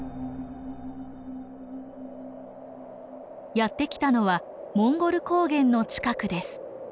やって来たのはモンゴル高原の近くです。